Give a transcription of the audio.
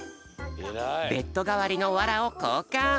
ベッドがわりのワラをこうかん。